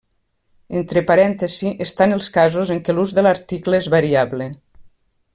Entre parèntesis estan els casos en què l'ús de l'article és variable.